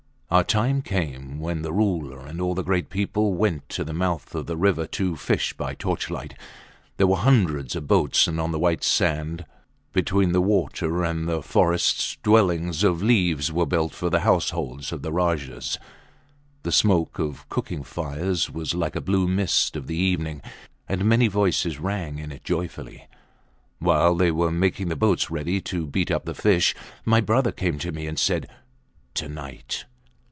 Our time came when the Ruler and all the great people went to the mouth of the river to fish by torchlight. There were hundreds of boats, and on the white sand, between the water and the forests, dwellings of leaves were built for the households of the Rajahs. The smoke of cooking fires was like a blue mist of the evening, and many voices rang in it joyfully. While they were making the boats ready to beat up the fish, my brother came to me and said, To night!